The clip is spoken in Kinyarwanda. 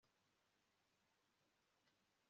kuko mwene muntu adahoraho iteka